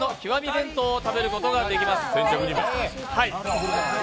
弁当を食べることができます。